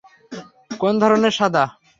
কোন ধরণের সাদা?